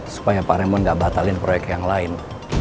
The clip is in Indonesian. supaya pak remon gak batalin proyek yang lain